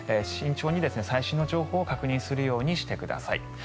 慎重に最新の情報を確認するようにしてください。